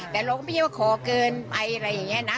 แต่เราก็ไม่ใช่ว่าขอเกินไปอะไรอย่างนี้นะ